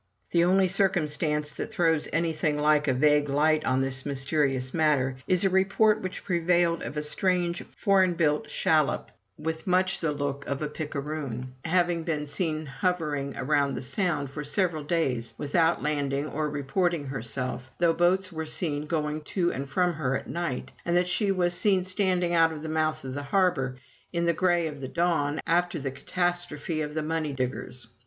The only circumstance that throws anything like a vague light on this mysterious matter, is a report which prevailed of a strange foreign built shal lop, with much the look of a picaroon, 147 MY BOOK HOUSE having been seen hovering about the Sound for several days with out landing or reporting herself, though boats were seen going to and from her at night; and that she was seen standing out of the mouth of the harbor, in the gray of the dawn, after the catas trophe of the money diggers.